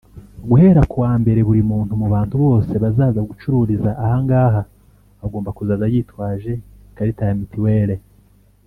Guhera ku wa mbere buri muntu mu bantu bose bazaza gucururiza ahangaha agomba kuzaza yitwaje ikarita ya mituwere